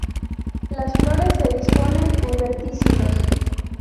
Las flores se disponen en verticilos.